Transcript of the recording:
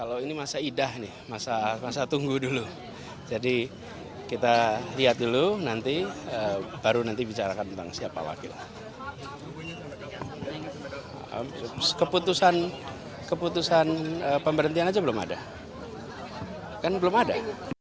anies menyebut keputusan pemberhentian saja belum ada